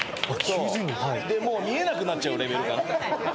でもう見えなくなっちゃうレベルかな。